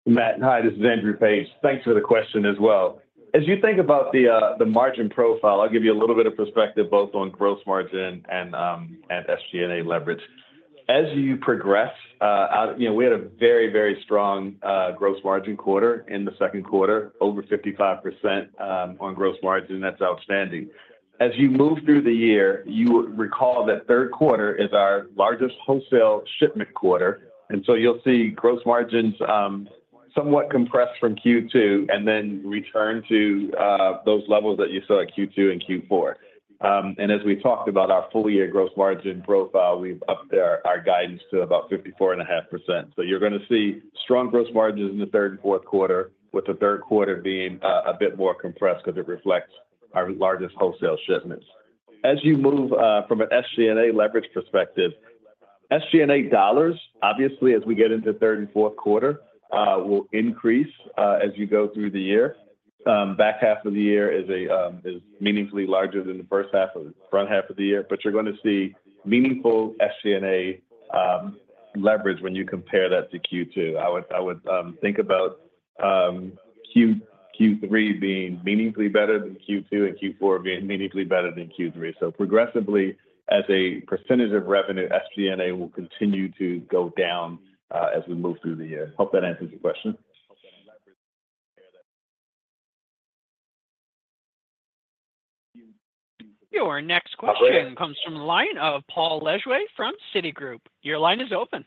[SPEAKER 4] Matt, hi, this is Andrew Page. Thanks for the question as well. As you think about the margin profile, I'll give you a little bit of perspective both on gross margin and SG&A leverage. As you progress, you know, we had a very, very strong gross margin quarter in the second quarter, over 55% on gross margin. That's outstanding. As you move through the year, you would recall that third quarter is our largest wholesale shipment quarter, and so you'll see gross margins somewhat compressed from Q2 and then return to those levels that you saw at Q2 and Q4, and as we talked about our full-year gross margin profile, we've upped our guidance to about 54.5%. So you're gonna see strong gross margins in the third and fourth quarter, with the third quarter being a bit more compressed because it reflects our largest wholesale shipments. As you move from an SG&A leverage perspective, SG&A dollars, obviously, as we get into third and fourth quarter, will increase as you go through the year. Back half of the year is meaningfully larger than the front half of the year, but you're gonna see meaningful SG&A leverage when you compare that to Q2. I would think about Q3 being meaningfully better than Q2 and Q4 being meaningfully better than Q3. So progressively, as a percentage of revenue, SG&A will continue to go down as we move through the year. Hope that answers your question.
[SPEAKER 1] Your next question comes from the line of Paul Lejuez from Citigroup. Your line is open.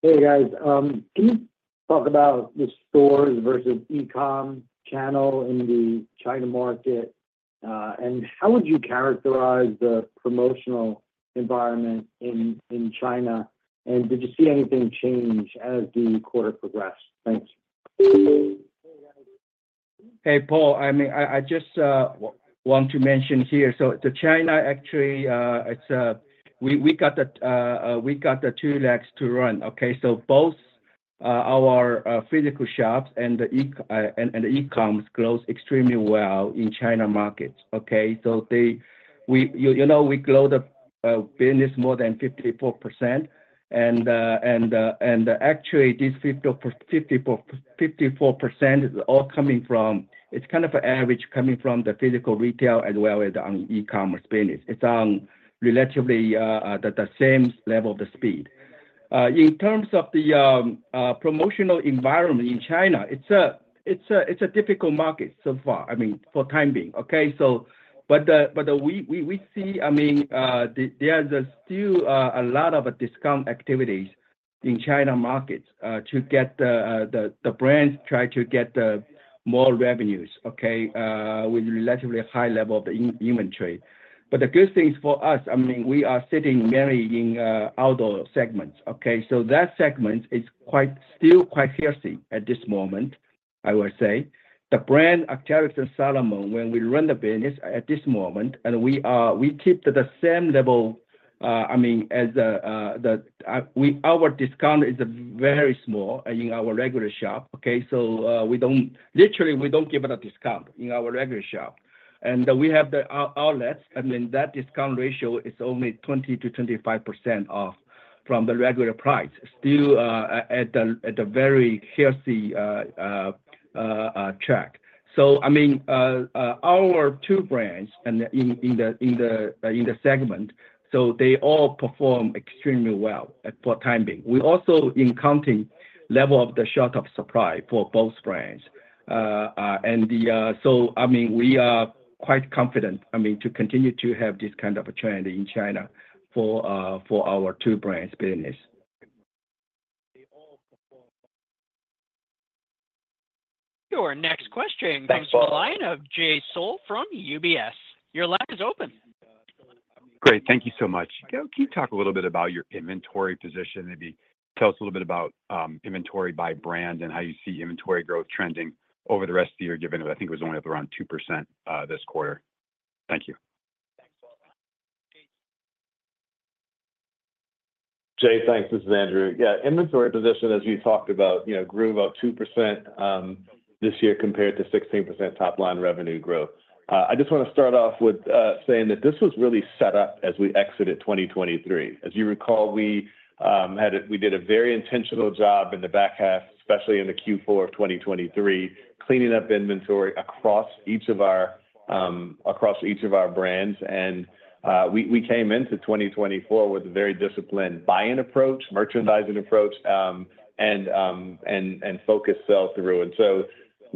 [SPEAKER 8] Hey, guys, can you talk about the stores versus e-com channel in the China market? How would you characterize the promotional environment in China? Did you see anything change as the quarter progressed? Thanks.
[SPEAKER 3] Hey, Paul, I mean, I just want to mention here, so China actually, it's, we got the two legs to run, okay? So both our physical shops and the e-commerce grows extremely well in China markets, okay? So you know, we grow the business more than 54%, and actually, this 54% is all coming from. It's kind of an average coming from the physical retail as well as on e-commerce business. It's on relatively the same level of the speed. In terms of the promotional environment in China, it's a difficult market so far, I mean, for the time being, okay? But we see, I mean, there are still a lot of discount activities in China market to get the brands try to get the more revenues, okay, with relatively high level of inventory. But the good thing is for us, I mean, we are sitting mainly in outdoor segments, okay? So that segment is still quite healthy at this moment, I would say. The brand, Arc'teryx and Salomon, when we run the business at this moment, and we are- we keep to the same level, I mean, as the, the, we-- our discount is very small in our regular shop, okay? So, we don't, literally, we don't give it a discount in our regular shop. And we have the outlet. I mean, that discount ratio is only 20%-25% off from the regular price. Still, at a very healthy track. So I mean, our two brands in the segment, so they all perform extremely well at, for time being. We also encountering level of the short of supply for both brands. I mean, we are quite confident, I mean, to continue to have this kind of a trend in China for our two brands business.
[SPEAKER 1] Your next question comes from the line of Jay Sole from UBS. Your line is open.
[SPEAKER 9] Great. Thank you so much. Can you talk a little bit about your inventory position? Maybe tell us a little bit about inventory by brand and how you see inventory growth trending over the rest of the year, given that I think it was only up around 2% this quarter. Thank you.
[SPEAKER 4] Jay, thanks. This is Andrew. Yeah, inventory position, as we talked about, you know, grew about 2% this year compared to 16% top line revenue growth. I just want to start off with saying that this was really set up as we exited 2023. As you recall, we did a very intentional job in the back half, especially in the Q4 of 2023, cleaning up inventory across each of our brands. And we came into 2024 with a very disciplined buying approach, merchandising approach, and focused sell-through. And so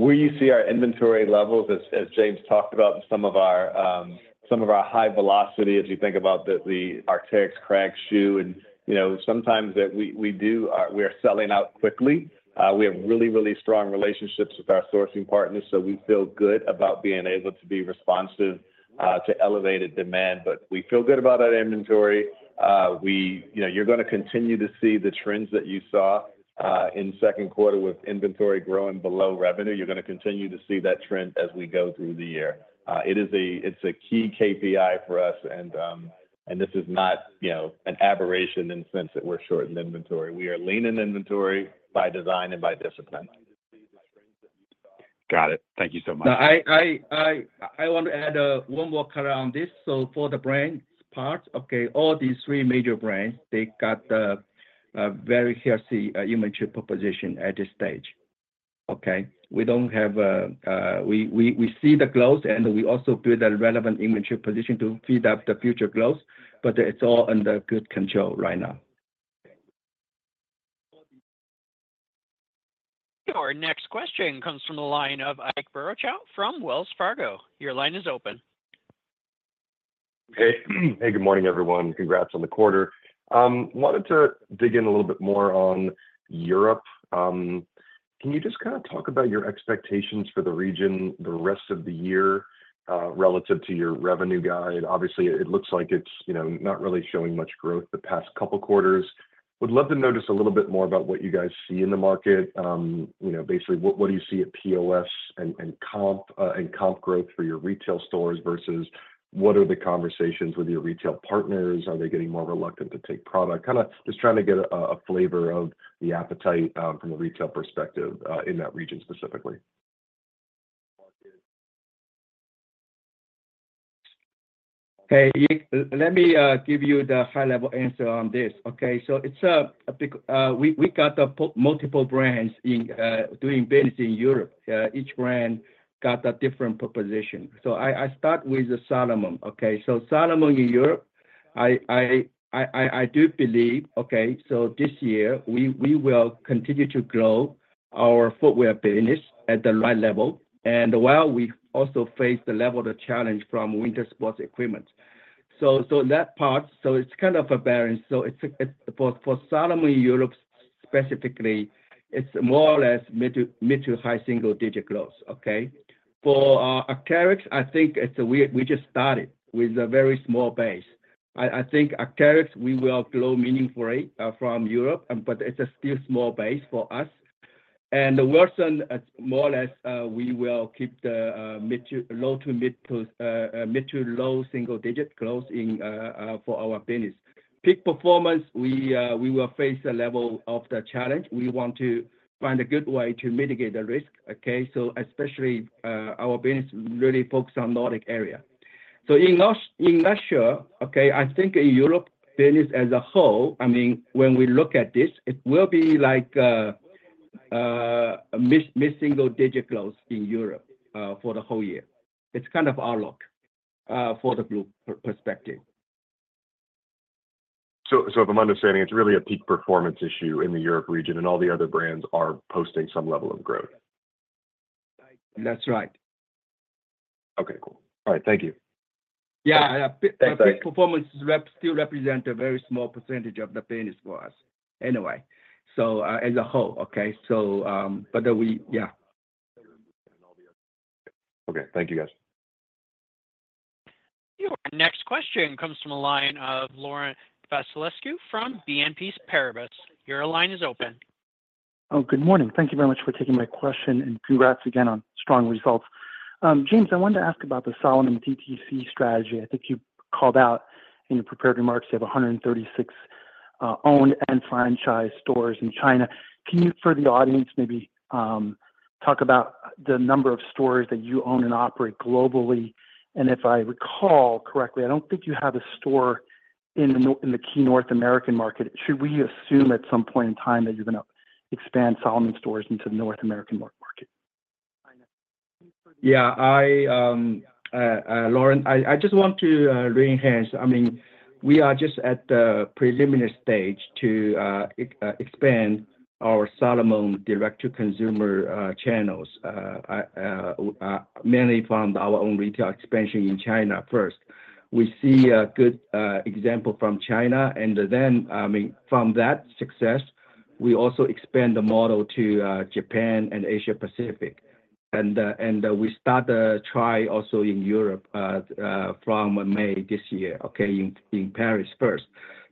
[SPEAKER 4] where you see our inventory levels, as James talked about, some of our high velocity, as you think about the Arc'teryx Kragg shoe. You know, sometimes we do. We are selling out quickly. We have really, really strong relationships with our sourcing partners, so we feel good about being able to be responsive to elevated demand. But we feel good about that inventory. You know, you're gonna continue to see the trends that you saw in second quarter with inventory growing below revenue. You're gonna continue to see that trend as we go through the year. It is a key KPI for us, and this is not, you know, an aberration in the sense that we're short in inventory. We are lean in inventory by design and by discipline.
[SPEAKER 9] Got it. Thank you so much.
[SPEAKER 3] No, I want to add one more color on this. So for the brand part, okay, all these three major brands, they got a very healthy inventory proposition at this stage, okay? We don't have. We see the growth, and we also build a relevant inventory position to feed up the future growth, but it's all under good control right now.
[SPEAKER 1] Our next question comes from the line of Ike Boruchow from Wells Fargo. Your line is open.
[SPEAKER 10] Hey. Hey, good morning, everyone. Congrats on the quarter. Wanted to dig in a little bit more on Europe. Can you just kind of talk about your expectations for the region the rest of the year, relative to your revenue guide? Obviously, it looks like it's, you know, not really showing much growth the past couple quarters. Would love to notice a little bit more about what you guys see in the market. You know, basically, what do you see at POS and comp growth for your retail stores versus what are the conversations with your retail partners? Are they getting more reluctant to take product? Kind of just trying to get a flavor of the appetite, from a retail perspective, in that region specifically.
[SPEAKER 3] Okay, Ike, let me give you the high level answer on this, okay? So it's a big, we got the multiple brands in doing business in Europe. Each brand got a different proposition. So I start with the Salomon, okay? So Salomon in Europe, I do believe, okay, so this year we will continue to grow our footwear business at the right level, and while we also face the level of challenge from winter sports equipment. So that part, so it's kind of a balance. So it's for Salomon Europe specifically, it's more or less mid to high single digit growth, okay? For Arc'teryx, I think it's, we just started with a very small base. I think Arc'teryx, we will grow meaningfully from Europe, but it's a still small base for us. And the Wilson, more or less, we will keep the mid to low single digit growth in for our business. Peak Performance, we will face a level of the challenge. We want to find a good way to mitigate the risk, okay? So especially, our business really focused on Nordic area. So in Russia, okay, I think in Europe, business as a whole, I mean, when we look at this, it will be like, mid single digit growth in Europe for the whole year. It's kind of our look for the group perspective.
[SPEAKER 10] So, if I'm understanding, it's really a Peak Performance issue in the Europe region, and all the other brands are posting some level of growth?
[SPEAKER 3] That's right.
[SPEAKER 4] All right, thank you.
[SPEAKER 3] Yeah, and Peak Performance still represents a very small percentage of the business for us anyway, so as a whole, okay? So, but then we, yeah.
[SPEAKER 10] Okay, thank you, guys.
[SPEAKER 1] Your next question comes from the line of Laurent Vasilescu from BNP Paribas. Your line is open.
[SPEAKER 11] Oh, good morning. Thank you very much for taking my question, and congrats again on strong results. James, I wanted to ask about the Salomon DTC strategy. I think you called out in your prepared remarks, you have 136 owned and franchised stores in China. Can you, for the audience, talk about the number of stores that you own and operate globally? And if I recall correctly, I don't think you have a store in the key North American market. Should we assume at some point in time that you're gonna expand Salomon stores into the North American market?
[SPEAKER 3] Yeah, Lauren, I just want to reemphasize. I mean, we are just at the preliminary stage to expand our Salomon direct-to-consumer channels, mainly from our own retail expansion in China first. We see a good example from China, and then, I mean, from that success, we also expand the model to Japan and Asia Pacific. We start to try also in Europe from May this year, okay, in Paris first.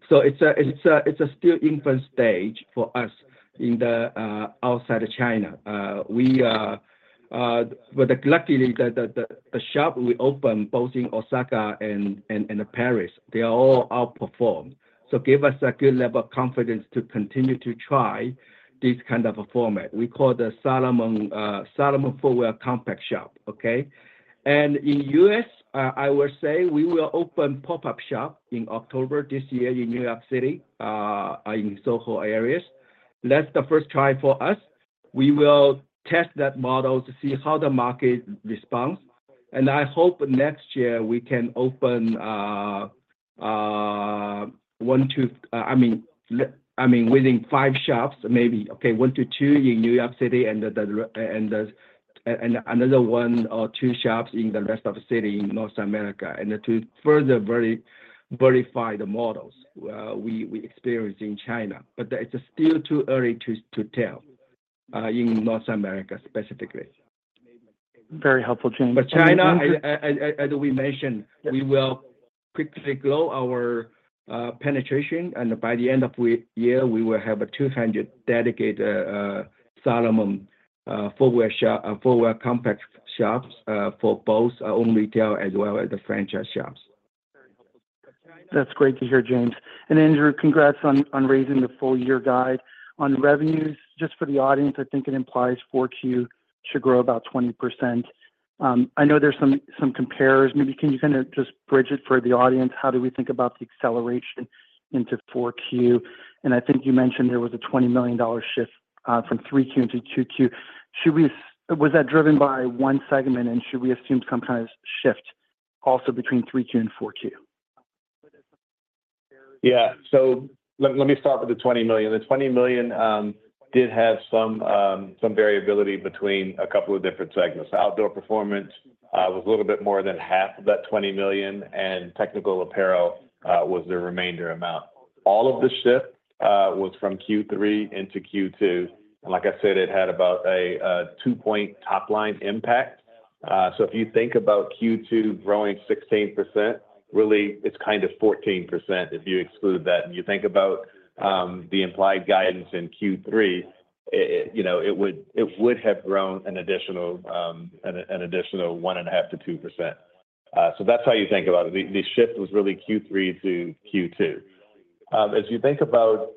[SPEAKER 3] So it's still an infant stage for us outside of China. But luckily, the shop we opened both in Osaka and Paris, they are all outperformed. So give us a good level of confidence to continue to try this kind of a format. We call it the Salomon Footwear Compact Shop, okay? In the U.S., I will say we will open pop-up shop in October this year in New York City, in SoHo areas. That's the first try for us. We will test that model to see how the market responds, and I hope next year we can open, I mean, within five shops, maybe, okay, one to two in New York City and another one or two shops in the rest of the city in North America, and to further verify the models we experience in China. But it's still too early to tell in North America, specifically.
[SPEAKER 11] Very helpful, James.
[SPEAKER 3] But China, as we mentioned, we will quickly grow our penetration, and by the end of the year, we will have a 200 dedicated Salomon footwear compact shops for both our own retail as well as the franchise shops.
[SPEAKER 11] That's great to hear, James. And Andrew, congrats on raising the full year guide. On revenues, just for the audience, I think it implies 4Q should grow about 20%. I know there's some compares. Maybe can you kinda just bridge it for the audience? How do we think about the acceleration into 4Q? And I think you mentioned there was a $20 million shift from 3Q into 2Q. Should we? Was that driven by one segment, and should we assume some kind of shift also between 3Q and 4Q?
[SPEAKER 4] Yeah. So let me start with the $20 million. The $20 million did have some variability between a couple of different segments. Outdoor Performance was a little bit more than half of that 20 million, and Technical Apparel was the remainder amount. All of the shift was from Q3 into Q2, and like I said, it had about a two-point top line impact. So if you think about Q2 growing 16%, really, it's kind of 14% if you exclude that. And you think about the implied guidance in Q3, you know, it would have grown an additional 1.5%-2%. So that's how you think about it. The shift was really Q3 to Q2. As you think about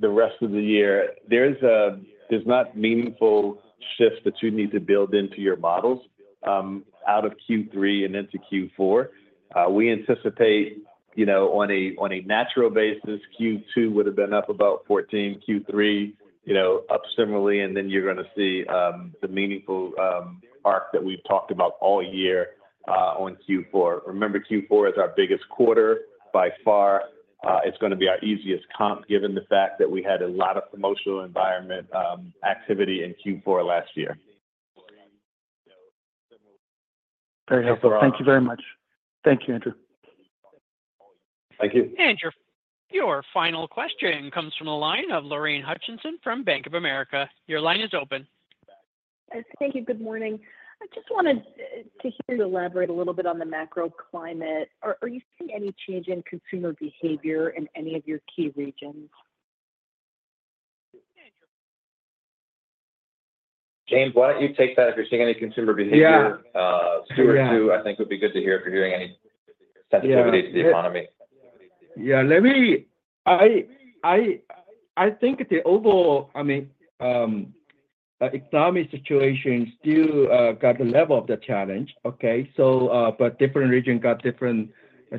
[SPEAKER 4] the rest of the year, there's not meaningful shifts that you need to build into your models out of Q3 and into Q4. We anticipate, you know, on a natural basis, Q2 would have been up about 14, Q3 up similarly, and then you're gonna see the meaningful arc that we've talked about all year on Q4. Remember, Q4 is our biggest quarter by far. It's gonna be our easiest comp, given the fact that we had a lot of promotional environment activity in Q4 last year.
[SPEAKER 11] Very helpful. Thank you very much. Thank you, Andrew.
[SPEAKER 4] Thank you.
[SPEAKER 1] Andrew, your final question comes from the line of Lorraine Hutchinson from Bank of America. Your line is open.
[SPEAKER 12] Thank you. Good morning. I just wanted to hear you elaborate a little bit on the macro climate. Are you seeing any change in consumer behavior in any of your key regions?
[SPEAKER 4] James, why don't you take that if you're seeing any consumer behavior. Stuart, too, I think it would be good to hear if you're hearing any sensitivity to the economy.
[SPEAKER 3] Yeah, let me. I think the overall, I mean, economic situation still got the level of the challenge, okay? So, but different region got different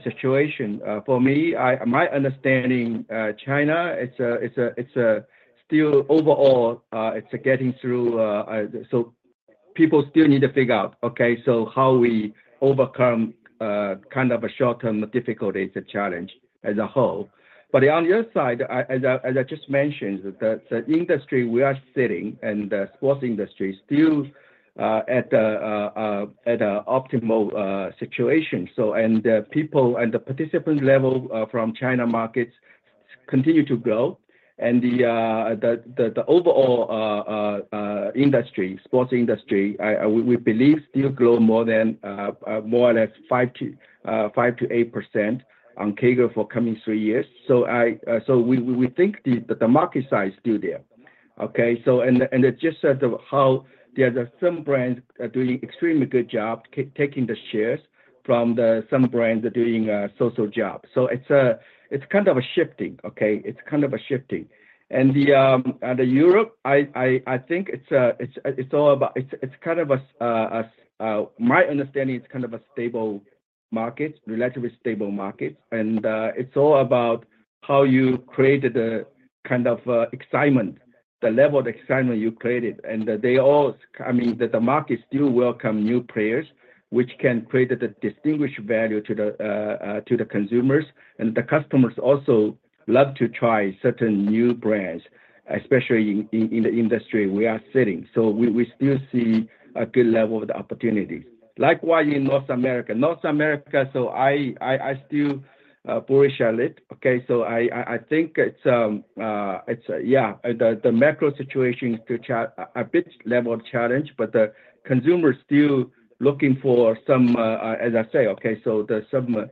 [SPEAKER 3] situation. For me, my understanding, China, it's still overall getting through. So people still need to figure out, okay, so how we overcome kind of a short-term difficulty is a challenge as a whole. But on the other side, as I just mentioned, the industry we are sitting, and the sports industry is still at a optimal situation. So, and people and the participant level from China markets. It will continue to grow, and the overall sports industry, we believe, still [will] grow more than more or less 5%-8% CAGR for coming three years. So we think the market size is still there, okay? So it just says of how there are some brands are doing extremely good job taking the shares from the some brands are doing so-so job. So it's kind of a shifting, okay? It's kind of a shifting. And the Europe, I think it's all about. It's kind of a my understanding, it's kind of a stable market, relatively stable market. It's all about how you create the kind of excitement, the level of excitement you created. They all, I mean, the market still welcome new players, which can create a distinguished value to the consumers. The customers also love to try certain new brands, especially in the industry we are sitting. So we still see a good level of the opportunities. Likewise, in North America. North America, so I still bullish on it, okay? I think the macro situation is still a bit of a challenge, but the consumer is still looking for some, as I say. Okay, so there are some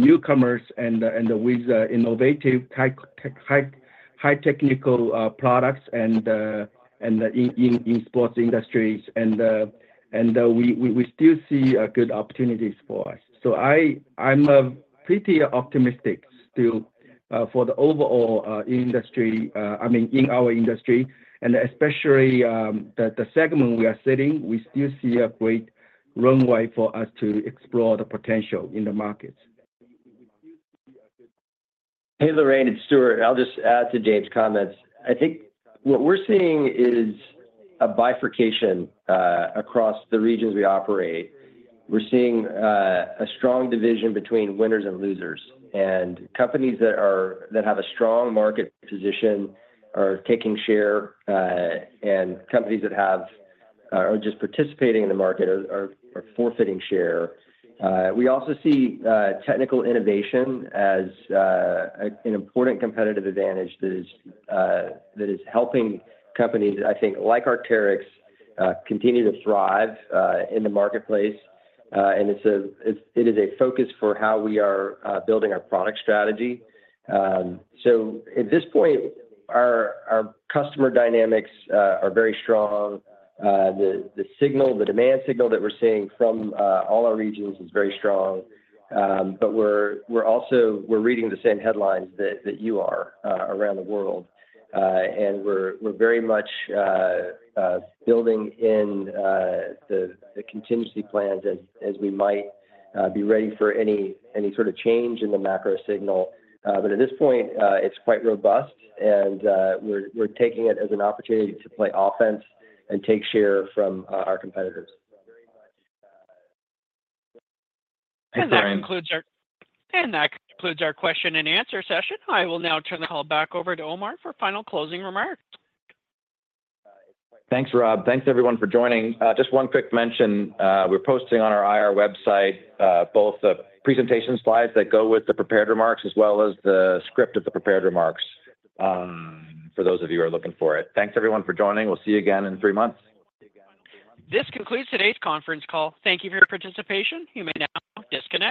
[SPEAKER 3] newcomers with innovative high tech products in the sports industry, and we still see good opportunities for us. I'm pretty optimistic still for the overall industry. I mean, in our industry, and especially the segment we sit in, we still see a great runway for us to explore the potential in the market.
[SPEAKER 6] Hey, Lorraine, it's Stuart. I'll just add to James' comments. I think what we're seeing is a bifurcation across the regions we operate. We're seeing a strong division between winners and losers, and companies that have a strong market position are taking share, and companies that have are just participating in the market are forfeiting share. We also see technical innovation as an important competitive advantage that is helping companies, I think, like Arc'teryx, continue to thrive in the marketplace, and it's a focus for how we are building our product strategy. So at this point, our customer dynamics are very strong. The signal, the demand signal that we're seeing from all our regions is very strong. But we're also reading the same headlines that you are around the world. And we're very much building in the contingency plans as we might be ready for any sort of change in the macro signal. But at this point, it's quite robust, and we're taking it as an opportunity to play offense and take share from our competitors.
[SPEAKER 1] And that concludes our question and answer session. I will now turn the call back over to Omar for final closing remarks.
[SPEAKER 2] Thanks, Rob. Thanks everyone for joining. Just one quick mention, we're posting on our IR website, both the presentation slides that go with the prepared remarks as well as the script of the prepared remarks, for those of you who are looking for it. Thanks, everyone, for joining. We'll see you again in three months.
[SPEAKER 1] This concludes today's conference call. Thank you for your participation. You may now disconnect.